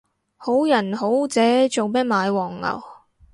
好人好姐做咩買黃牛